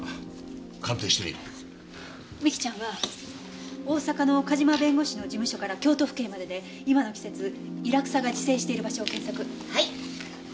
美貴ちゃんは大阪の梶間弁護士の事務所から京都府警までで今の季節イラクサが自生している場所を検索。